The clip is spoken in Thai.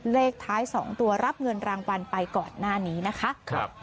เลขท้าย๒ตัวรับเงินรางวัลไปก่อนหน้านี้นะคะ